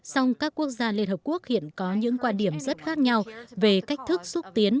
song các quốc gia liên hợp quốc hiện có những quan điểm rất khác nhau về cách thức xúc tiến